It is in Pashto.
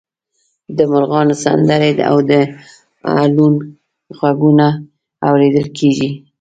د مرغانو سندرې او د لوون غږونه اوریدل کیږي